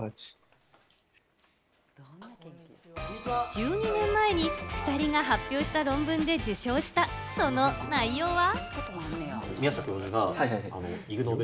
１２年前に２人が発表した論文で受賞した、その内容は？